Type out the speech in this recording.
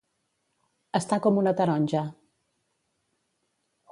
Estar com una taronja.